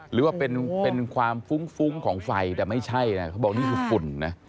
หรือว่าเป็นความฟุ้งฟุ้งของไฟแต่ไม่ใช่นะเขาบอกนี่คือฝุ่นนะ